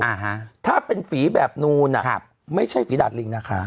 อ่าฮะถ้าเป็นฝีแบบนูนอ่ะครับไม่ใช่ฝีดาดลิงนะคะ